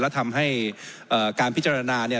และทำให้การพิจารณาเนี่ย